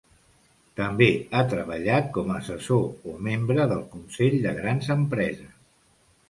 També ha treballat com a assessor o membre del consell de grans empreses.